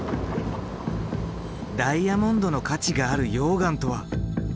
ダイヤモンドの価値がある溶岩とは？